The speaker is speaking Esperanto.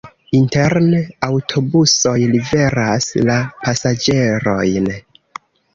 Interne aŭtobusoj liveras la pasaĝerojn.